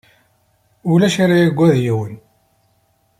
Ulac ara yagad yiwen.